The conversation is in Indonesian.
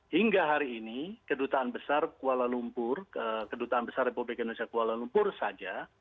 hingga hari ini kedutaan besar kuala lumpur kedutaan besar republik indonesia kuala lumpur saja